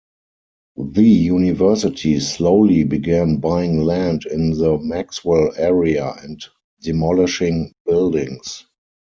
The university slowly began buying land in the Maxwell area and demolishing buildings.